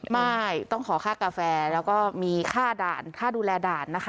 ไม่ต้องขอค่ากาแฟแล้วก็มีค่าด่านค่าดูแลด่านนะคะ